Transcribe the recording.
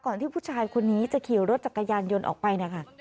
ที่ผู้ชายคนนี้จะขี่รถจักรยานยนต์ออกไปนะคะ